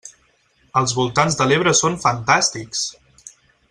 Els voltants de l'Ebre són fantàstics!